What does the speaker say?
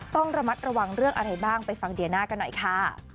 ต้องระมัดระวังเรื่องอะไรบ้างไปฟังเดียน่ากันหน่อยค่ะ